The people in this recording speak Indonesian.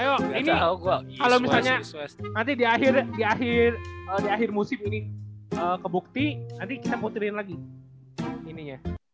ayo ini kalo misalnya nanti di akhir musim ini kebukti nanti kita muterin lagi ininya